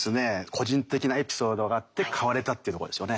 個人的なエピソードがあって変われたっていうとこですよね。